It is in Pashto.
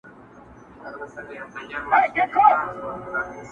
سُر به په خپل تار کي زیندۍ وي شرنګ به نه مستوي!